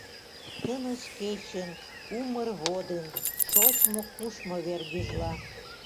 Тыныс кечын, умыр водын Шочмо-кушмо вер гӱжла.